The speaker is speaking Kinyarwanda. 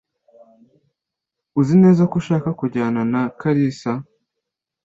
Uzi neza ko ushaka kujyana na Kalisa?